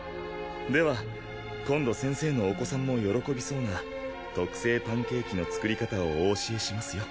では今度先生のお子さんも喜びそうな特製パンケーキの作り方をお教えしますよ。